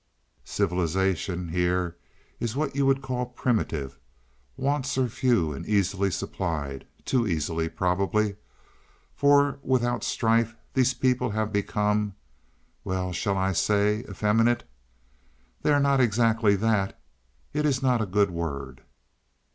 Civilization here is what you would call primitive: wants are few and easily supplied too easily, probably, for without strife these people have become well shall I say effeminate? They are not exactly that it is not a good word."